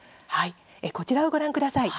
こちらをご覧ください。